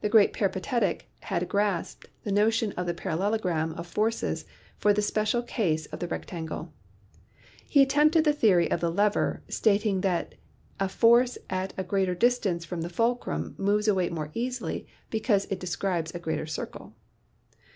The great peripatetic had grasped the notion of the parallelogram of forces for the special case of the rectangle. Pie attempted the theory of the lever, stating that a force at a greater distance from the fulcrum moves a weight more easily because it describes a greater circle.